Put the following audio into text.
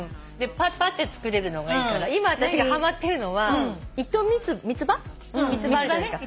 パッパッて作れるのがいいから今私がはまってるのは三つ葉あるじゃないですか。